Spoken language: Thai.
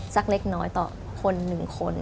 สักเล็กน้อยต่อคนหนึ่งคน